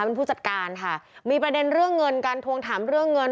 เป็นผู้จัดการค่ะมีประเด็นเรื่องเงินการทวงถามเรื่องเงิน